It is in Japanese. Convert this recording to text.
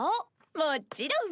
もちろん！